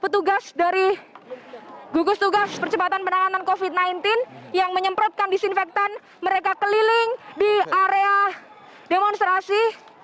petugas dari gugus tugas percepatan penanganan covid sembilan belas yang menyemprotkan disinfektan mereka keliling di area demonstrasi